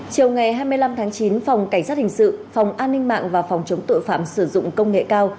chiều ngày hai mươi năm tháng chín phòng cảnh sát hình sự phòng an ninh mạng và phòng chống tội phạm sử dụng công nghệ cao